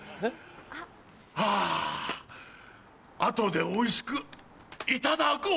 あぁ後でおいしくいただこうかな。